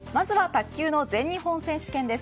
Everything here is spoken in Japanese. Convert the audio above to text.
まずは卓球の全日本選手権です。